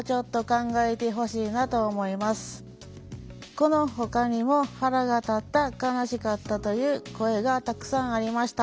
このほかにも「腹が立った」「悲しかった」という声がたくさんありました。